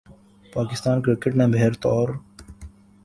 Pakistan cricket نے بہرطور